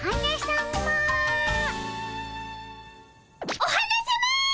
お花さま！